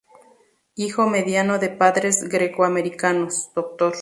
Hijo mediano de padres greco-americanos —Dr.